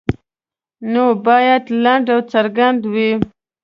نوم باید لنډ او څرګند وي.